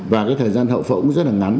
và cái thời gian hậu phẫu rất là ngắn